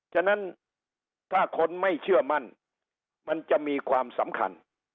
ฉะนั้นถ้าคนไม่เชื่อมั่นมันจะมีความสำคัญ